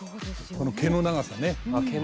この毛の長さね。